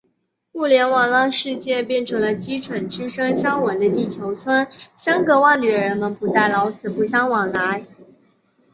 互联网让世界变成了“鸡犬之声相闻”的地球村，相隔万里的人们不再“老死不相往来”。